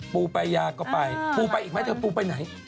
ปูปายาก็ไปปูไปอีกไหมเธอปูไปไหน